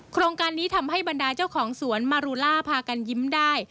โครงการนี้ทำให้บรรดาเจ้าของสวนมารูล่าพากันยิ้มได้